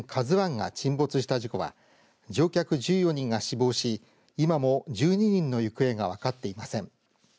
ＫＡＺＵＩが沈没した事故は乗客１４人が死亡し今も１２人の行方が分かっていません。